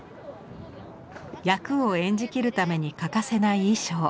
役を演じきるために欠かせない衣装。